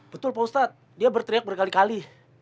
betul pak ustadz dia berteriak berkali kali